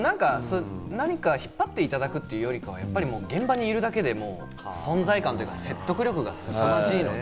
何か引っ張っていただくというよりは、現場にいるだけで存在感というか説得力が素晴らしいので。